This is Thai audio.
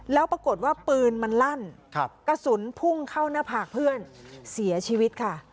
แล้วปรากฏว่าปืนมันลั่นกระสุนพุ่งเข้าหน้าผากเพื่อนเสียชีวิตค่ะ